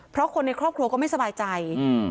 เพราะคนในครอบครัวก็ไม่สบายใจอืม